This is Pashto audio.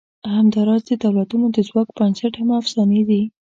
همدا راز د دولتونو د ځواک بنسټ هم افسانې دي.